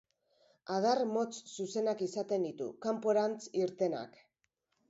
Adar motz zuzenak izaten ditu, kanporantz irtenak.